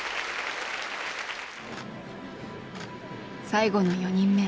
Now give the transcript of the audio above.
最後の４人目。